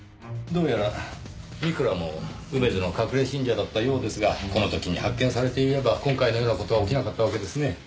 どうやら美倉も梅津の隠れ信者だったようですがこの時に発見されていれば今回のような事は起きなかったわけですね。